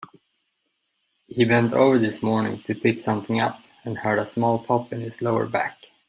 He bent over this morning to pick something up and heard a small pop in his lower back.